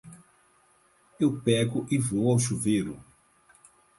Eu pego e vou ao chuveiro.